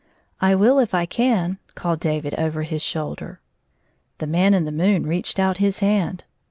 " I will if I can," called David over his shoulder. The Man in the moon reached out his hand.